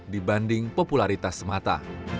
dibanding popularitas semata